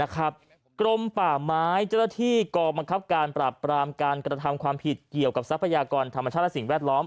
กรมป่าไม้เจ้าหน้าที่กองบังคับการปราบปรามการกระทำความผิดเกี่ยวกับทรัพยากรธรรมชาติและสิ่งแวดล้อม